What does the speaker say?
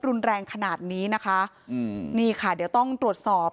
รุนแรงขนาดนี้นะคะอืมนี่ค่ะเดี๋ยวต้องตรวจสอบ